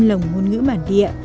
lồng ngôn ngữ bản địa